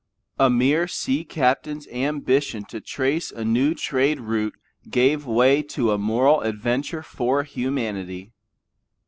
A mere sea captain's ambition to trace a new trade route gave way to a moral adventure for humanity.